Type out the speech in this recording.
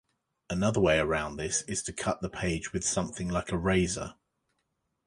Another way around this is to cut the page with something like a razor.